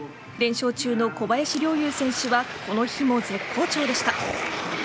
連勝中の小林陵侑選手はこの日も絶好調でした。